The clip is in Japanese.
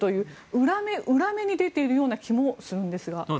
裏目、裏目に出ているような気もするんですが。